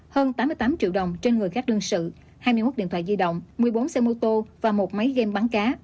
hơn tám mươi tám triệu đồng trên người khác đương sự hai mươi một điện thoại di động một mươi bốn xe mô tô và một máy game bắn cá